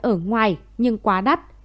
ở ngoài nhưng quá đắt